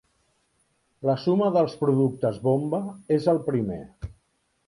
La suma dels productes bomba és el primer.